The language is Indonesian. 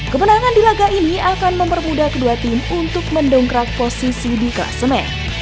kemenangan di laga ini akan mempermudah kedua tim untuk mendongkrak posisi di kelas semen